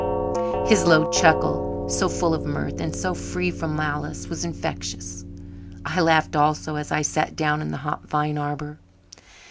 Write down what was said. His low chuckle, so full of mirth and so free from malice, was infectious. I laughed also, as I sat down in the hop vine arbour.